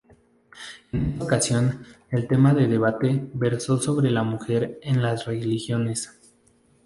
En esa ocasión, el tema de debate versó sobre La mujer en las religiones.